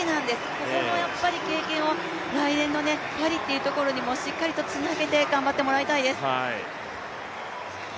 ここの経験を来年のパリにもしっかりとつなげて頑張ってもらいたいです。